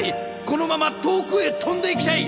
このまま遠くへ飛んでいきたい！